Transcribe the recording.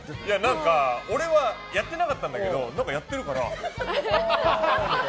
何か、俺はやってなかったんだけど何かやってるから。